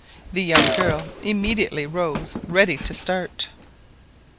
The young girl immediately rose ready to start.